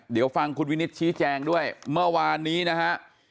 เดี๋ยวฟังคุณวินิตชี้แจงด้วยเมื่อวานนี้นะฮะ